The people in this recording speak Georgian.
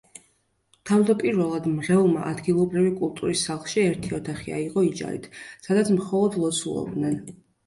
თავდაპირველად მრევლმა ადგილობრივი კულტურის სახლში ერთი ოთახი აიღო იჯარით, სადაც მხოლოდ ლოცულობდნენ.